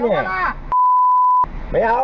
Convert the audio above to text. ไม่เอาไม่เอา